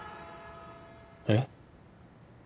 えっ？